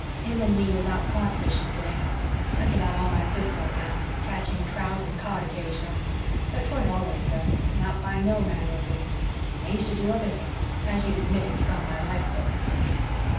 Him and me was out cod fishing today. That's about all I'm good for now catching trout and cod occasional. But 'tweren't always so not by no manner of means. I used to do other things, as you'd admit if you saw my life book."